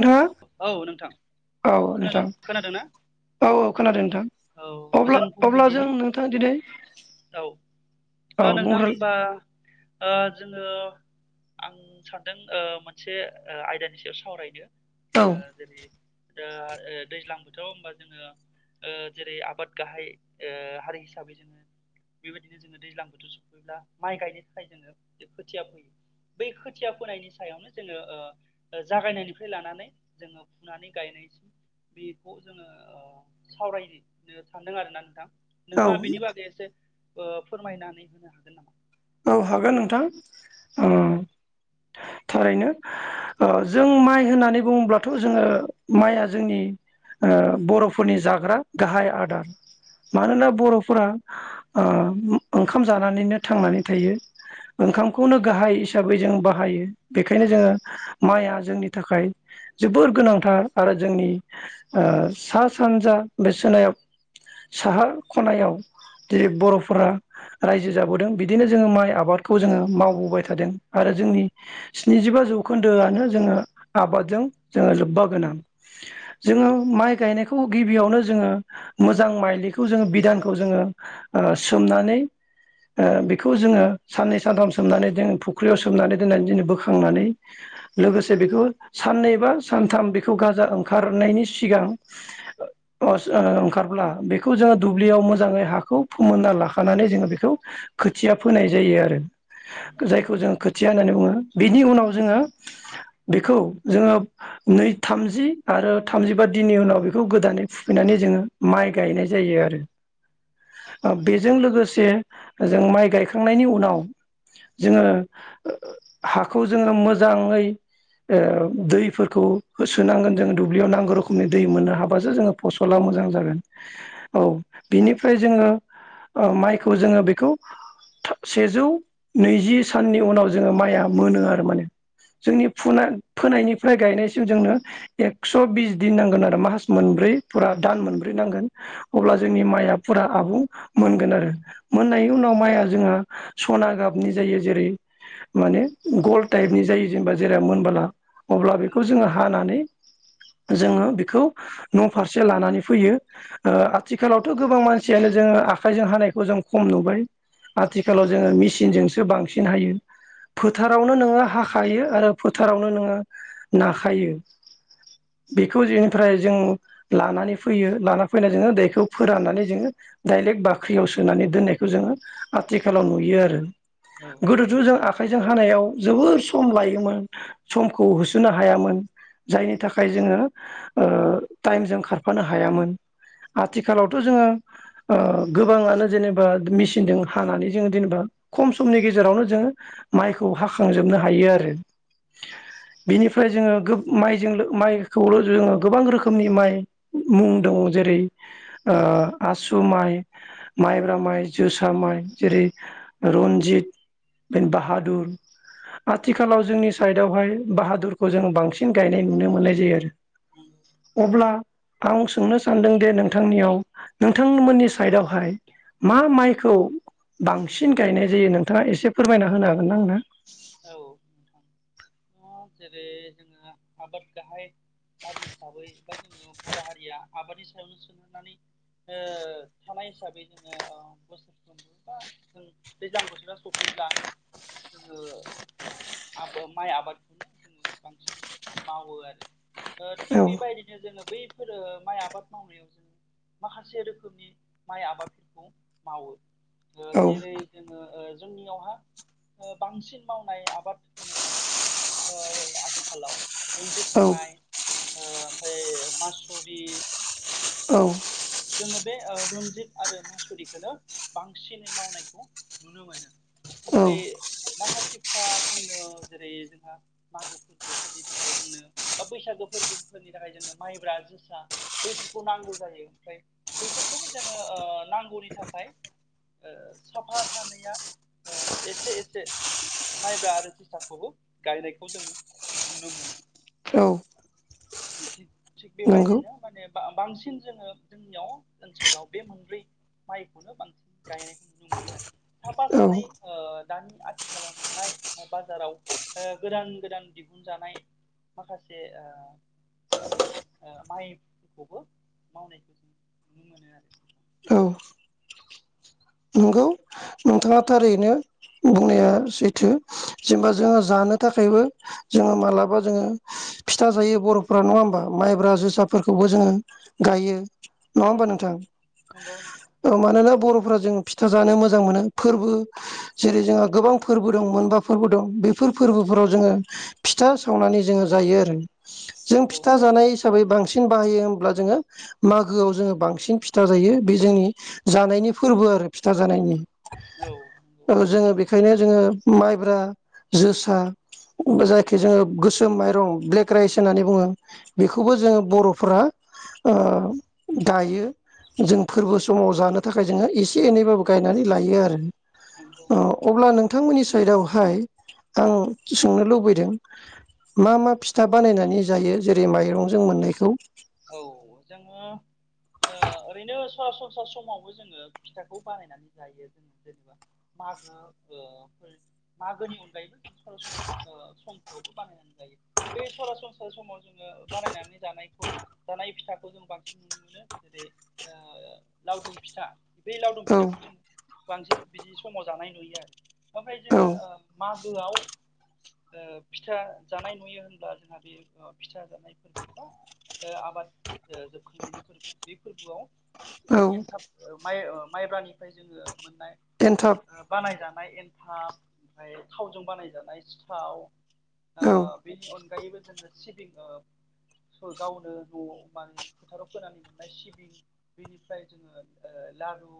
नोंथाङा औ नोंथां औ खोनादों नोंथां खोनादों ना औ औ खोनादों नोंथां औ अब्ला गोजोन अब्ला जों फुंबिलिनि नोंथां दिनै औ औ ओ नोंथां बुंग्रो होनबा ओ जोङो आं सानदों ओ मोनसे आयदानि सायाव सावरायनो औ जोङो जेरै ओ दैज्लां बोथोराव होनबा जोङो ओ जेरै आबाद गाहाय ओ हारि हिसाबै जोङो बेबायदिनो जोङो दैज्लां बोथोर सफैब्ला माइ गायनो थाखाय जोङो खोथिया फोयो बै खोथिया फोनायनि सायावनो जोङो ओ जागायनायनिफ्राय लानानै जोङो फुनानै गायनायसिम बेखौ जोङो ओ सावरायनो सांदों आरोना नोंथां औ नोंथाङा बिनिबागै एसे ओ फोरमायनानै होनो हागोन नामा? औ हागोन नोंथां ओ थारैनो ओ जों माइ होननानै बुङोब्लाथ' जोङो माइआ जोंनि ओ बर'फोरनि जाग्रा गाहाय आदार मानोना बर'फोरा ओ ओंखाम जानानैनो थांनानै थायो ओंखामखौनो गाहाय हिसाबै जों बाहायो बेखायनो जोङो माइआ जोंनि थाखाय जोबोर गोनांथार आरो जोंनि ओ सा सानजा बे सोनायाव साहा खनायाव जै बर'फोरा रायजो जाबोदों। बिदिनो जोङो माइ आबादखौ जोङो मावबोबाय थादों आरो जोंनि स्निजिबा जौखोन्दोआनो जोङो आबादजों जोङो लोब्बा गोनां जोङो माइ गायनायखौ गिबियावनो जोङो मोजां माइलिखौ जोङो बिधानखौ जोङो ओ सोमनानैओ बेखौ जोङो साननै सानथाम सोमनानै जों फुख्रियाव सोमनानै दोननानै जोङो बोखांनानै लोगोसे बेखौ साननै बा सानथाम बेखौ गाजा ओंखारनायनि सिगां ओ ओंखारब्ला बेखौ जोङो दुब्लियाव मोजाङै हाखौ फोमोनना लाखानानै जोङो बेखौ खोथिया फोनाय जायो आरो जायखौ जोङो खोथिया होननानै बुङो। बिनि उनाव नंगौ जोङो बेखौ जोङो नै थामजि आरो थामजिबा दिननि उनाव बेखौ गोदानै फुफैनानै जोङो माइ गायनाय जायो आरो ओ बेजों नंगौ लोगोसे जों माइ गायखांनायनि उनाव जोङो हाखौ जोङो मोजाङै ओ दैफोरखौ होसोनांगोन जोङो दुब्लियाव नांगौ रोखोमनि दै मोननो हाबासो जोङो फसला मोजां जागोन औ बिनिफ्राय जोङो माइखौ जोङो बखौ सेजौ नैजि साननि उनाव जोङो माइया मोनो आरो माने जोंनि फुना फोनायनिफ्राय गायनायसिम जोंनो एकस' बिस दिन नांगोन आरो मास मोनब्रै फुरा दान मोनब्रै नांगोन अब्ला औ जोंनि माइआ फुरा आबुं मोनगोन आरो मोननायनि उनाव माइआ जोंहा सना गाबनि जायो जेरै माने गल टाइपनि जायो जेनेबा जेराव मोनबोला अब्ला बेखौ जोङो नंगौ हानानै जोङो बेखौ न' फारसे लानानै फैयो आथिखालावथ' गोबां मानसियानो जोङो आखाइजों हानायखौ जों खम नुबाय औ आथिखालाव जोङो मेसिनजों सो बांसिन हायो फोथारावनो नोङो हाखायो आरो फोथारावनो नोङो नाखायो बेखौ नंगौ बेनिफ्राय जों लानानै फैयो लाना फैना जोङो दैखौ फोराननानै जोङो डाइरेक्ट बाख्रियाव सोनानै दोननायखौ जोङो आथिखालाव नुयो आरो। औ गोदोथ' नंगौ औ जों आखाइजों हानायाव जोबोर सम लायोमोन समखौ होसोनो हायामोन जायनि थाखाय जोङो ओ टाइमजों खारफानो हायामोन आथिखालावथ' जोङो ओ गोबाङानो जेने ओ मिसिनदों हानानै जों जेनबा खम समनि गेजेरावनो जों मायखौ हाखांजोबनो हायो आरो बिनिफ्राय जोंङो गोब मायजोंलो मायखौल' जोंङो गोबां रोखोमनि माय मुं दङ जेरै ओ आसु मायब्रा माइ जोसा माइ जेरै रनजित बे बाहादुर आथिखालाव जोंनि साइडआवहाय बाहादुरखौ जों बांसिन गायनाय नुनो मोननाय जायो नंगौ आरो अब्ला आं सोंनो सानदोंदिे नोंथांनियाव नोंथांमोननि साइडआवहाय मा माइखौ बांसिन गायनाय जायो नोंथाङा एसे फोरमायना होनो हागोन ना नोंथां? औ [unintelligible] थाङा जेरै जोङो आबाद गाहाय हारि हिसाबै बा जोङो बर' हारिया आबादनि सायावनो सोनारनानै ओ थानाय हिसाबै जोङो अ बोसोरफ्रोमबो बा जों दैज्लां बोथोरा सफैब्ला जोङो आबो माइ आबादखौनो जोङो बांसिन मावो आरो ओ थिग औ बेबायदिनो जोङो बैफोरो माइ आबाद मावनायाव जोङो माखासे रोखोमनि माइ आबादफोरखौ मावो ओ औ जेरै जोङो ओ जोंनियावहा ओ बांसिन मावनाय आबाद होनोब्ला ओ रो आथिखालाव रन्जित माइ औ ओ ओमफाय मासुरि ओ औ जोङो बे ओ रनजित आरो मासुरिखौनो बांसिनै मावनायखौ नुनो मोनो औ ओमफ्राय माखासे फ्रा जोंनो जेरै जोंहा मागो फोरबोफोरनि थाखाय जोंनो बा बैसागो फोरबोफोरनि थाखाय जोंनो माइब्रा जोसा बैफोरखौ नांगौ जायो ओमफ्राय बैफोरखौबो जोंङो ओ नांगौनि थाखाय ओ साफा सानैया ओ एसे एसे माइब्रा आरो जोसाखौबो गायनायखौ जोङो नुनो मोनो औ थि थिग नंगौ बेबायदिनो माने बांसिन जोङो जोंनियाव ओनसोलाव बे मोनब्रै माइखौनो बांसिन गायनायखौ नुनो मोनो आरो साफा सानै औ ओ दानि आथिखालाव मोननाय बाजाराव ओ गोदानगोदान दिहुनजानाय माखासे ओ मुंनि ओ माइखौबो मावनायखौ जों नुनो मोनो आरो। औ नंगौ नोंथाङा थारैनो बुंनाया सैथो जेनेबा जोङो जानो थाखायबो जोङो मालाबा जोङो फिथा जायो बर'फोरा नङा होमबा माइब्रा जोसाफोरखौबो जोङो गायो। नङा होमबा नोंथां? नंगौ औ मानोना बर'फ्रा जों फिथा जानो मोजां मोनो। फोरबो जेरै जोंहा गोबां फोरबो दं मोनबा फोरबो दं बेफोर फोरबोफोराव जोङो फिथा सावनानै जोङो जायो आरो। जों नंगौ नंगौ फिथा जानाय हिसाबै बांसिन बाहायो होमब्ला जोङो मागोआव जोङो बांसिन फिथा जायो बे जोंनि जानायनि फोरबो आरो फिथा जानायनि। औ नंगौ ओ जोङो बे खायनो जोङो माइब्रा जोसा जायखि जोङो गोसोम माइरं ब्लेक राइस होननानै बुङो। बेखौबो जोङो बर'फ्रा ओ गायो। जों फोरबो समाव जानो। थाखाय जोङो एसे एनैबाबो गायनानै लायो आरो। अ अब्ला नों नोंथांमोननि साइडआवहाय आं सोंनो लुबैदों मा मा फिथा बानायनानै जायो जेरै माइरंजों मोननायखौ? औ जोङो ओरैनोओ सरासनस्रा समावबो जोङो फिथाखौ बानायनानै जायो जोङो जेनेबा मागोफोर मागोनि अनगायैबो [unintelligible] सम नआवबो बानायनानै जायो बे सरासनस्रा समाव जोङो बानायनानै जानायखौ जानाय फिथाखौ जों बांसिन नुनो मोनो जेरै ओ लावदुम फिथा दै लावदुम औ फिथाखौ जों बांसिन बिदि समाव जानाय नुयो आरो ओमफ्राय औ जोङो ओ माग मागोआव ओ फिथा जानाय नुयो होनब्ला जोंहा बे फिथा जानाय फोरबो बा ओ आबाद जोबखांनायनि फोरबो बे फोरबोआव औ एनथाब माइ माइब्रानिफ्राय जोङो मोन्नाय एन्थाब ओ बानाय जानाय एन थाब ओमफ्राय थावजों बानायजानाय सिथाव ओ औ बेनि अनगायैबो जोङो सिबिं गावनो न'आव माने फोथाराव फोनानै मोननाय सिबिं बेनिफ्राय जोङो ओ लारु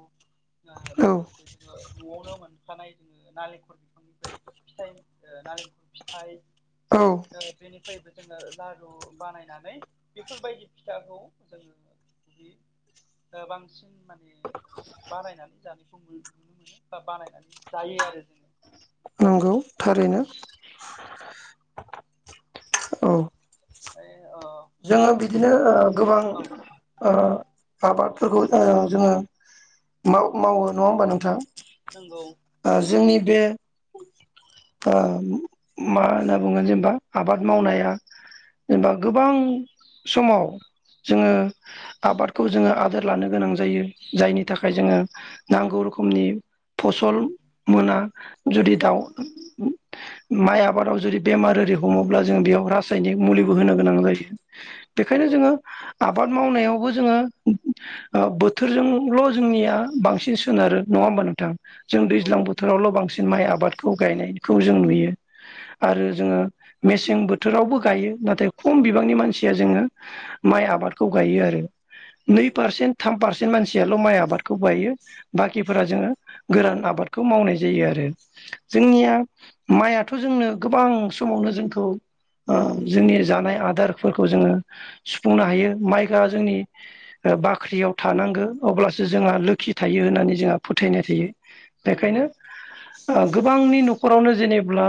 औ लोगोसे जोङो न'आवनो मोनखानाय जोङो नालेंखर बिफांनिफ्राय फिथाइ नालेंखर फिथाइ औ बेनिफ्रायबो जोङो लारु बानायनानै बेफोरबायदि फिथाखौ जोङो बे बांसिन माने बानायनानै जानायखौ नुनो मोनो बा बानायनानै जायो आरो जोङो नंगौ थारैनो औ [unintelligible] जोङो बिदिनो ओ गोबां औ ओ आबाद फोरखौ जोङो ओं जोङो मावो नङा होमबा नोंथां नंगौ ओ जोंनि बे ओ मा होनना बुंगोन जेनेबा आबाद मावनाया जेनेबा गोबां समाव जोङो आबादखौ जोङो आदोर लानो गोनां जायो जायनि थाखाय नंगौ जोङो नांगौ रोखोमनि फसल मोना जुदि दाउ माइ आबादाव जुदि बेमार ओरि हमोब्ला जों बेयाव रासायनिक मुलिबो होनो गोनां जायो बेखायनो नंगौ जोङो आबाद मावनायावबो जोङो ओ बोथोरजोंल' जोंनिया बांसिन सोनारो नङा होमबा नोंथां जों नंगौ दैज्लां बोथोरावल' बांसि माइ आबादखौ गायनायखौ जों नुयो आरो जोङो मेसें बोथोरावबो गायो नाथाय खम बिबांनि मानसि जोङो माइ आबादखौ गायो आरो नै नंगौ पारसेन्ट थाम पारस सिन मानसियाल' माइ आबादखौ बायो बाखिफोरा जोङो गोरान आबादखौ मावनाय जायो आरो जोंनिया माइयाथ' जोंनो गोबां समावनो जोंखौ ओ जोंनि जानाय आदार फोरखौ जोङो सुफुंनो हायो माइ गआ जोंनि बाख्रियाव थानांगौ अब्लासो जोंहा लोखि थायो होननानै जोंहा फोथायनाय थायो नंगौ बेखायनो ओ गोबांनि न'खरावनो जेनेब्ला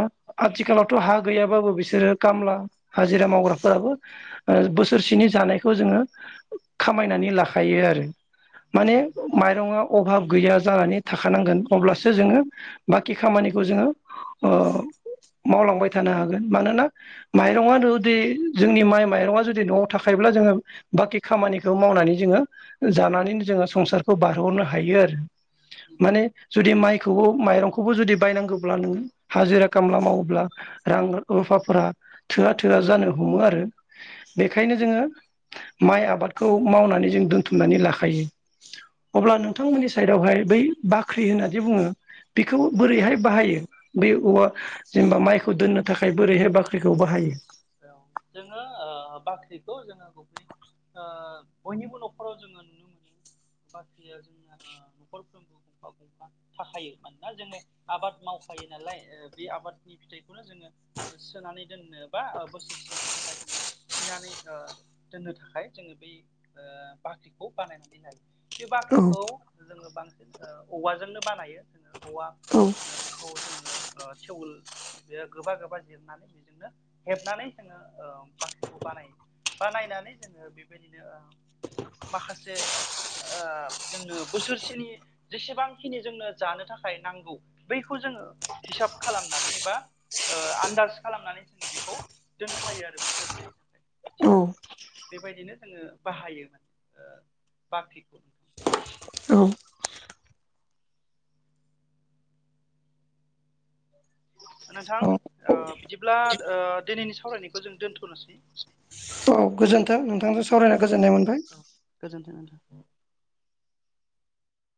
आथिखालावथ' हा गैयाबाबो बिसोरो खामला हाजिरा मावग्राफोराबो ओ बोसोरसेनि जानायखौ जोङो खामायनानै लाखायो आरो माने माइरङा अभाब गैया जानानै थाखानांगोन अब्लासो जोङो बाखि खामानिखौ जोङो ओ मावलांबाय थानो हागोन मानोना माइरङानोद जोंनि माइ माइ मारङा जुदि न'आव थाखायोब्ला जोङो बाखि खामानिखौ मावनानै जोङो जानानैनो जोङो संसारखौ बारहरनो हायो आरो नंगौ माने जुदि माइखौबो माइरंखौबो जुदि बायनांगौब्ला नोङो हाजिरा खामला मावोब्ला रां रुफाफोरा थोआ थोआ जानो हमो आरो बेखायनो जोङो माइ आबादखौ मावनानै जों दोनथुमनानै लाखायो अब्ला नोंथांमोननि साइडआवहाय बै बाख्रि होननानै बुङो बेखौ औ बोरैहाय बाहायो? बे औवा जेनेबा माइखौ दोननो थाखाय बोरैहाय बाख्रिखौ बाहायो? औ जोङो ओ बाख्रिखौ जोङो गुबै बयनिबो न'खराव जोङो नुनो मोनो बाख्रिया जोंना न'खरफ्रोमबो गंफा गंफा थाखायो मानोना जोङो आबाद मावखायो नालाय बे आबादनि फिथाइखौनो जोङो सोनानै दोननो। बा बोसोरसेनि थाखाय जोङो थिनानै ओ दोननो थाखाय ओ जोङो बै बाख्रिखौ बानायनानै लायो। बे औ बाख्रिखौ जोङो बांसिन। ओ औवाजोंनो बानायो। औ औवाखौ जोङो। थेउल बेयो गोबा गोबा जिरनानै बेजोंनो। हेबनानै ओ जोङो बाख्रिखौ बानायो बानायनानै जोङो बेबायदिनो ओ माखासे ओ जोंनो बोसोरसेनि जेसेबांखिनि जोंनो जानो थाखाय नांगौ बैखौ जोङो हिसाब खालामनानै बा ओ आन्दाज खालामनानै जोङो बे खौ दोनखायो आरो बोसोरसेनि थाखाय औ थिनानै बेबायदिनो जोङो बाहायो माने ओ बाख्रिखौ नोंथां। नोंथां औ ओ बिदिब्ला दिनैनि सावरायनायखौ जों दोनथ'नोसै। औ गोजोन्थों नोंथांजों सावरायनो गोजोन्थों गोजोननाय मोनबाय। औ गोजोन्थों नोंथां